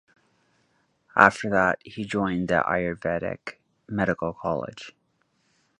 After that he joined the Ayurvedic Medical College.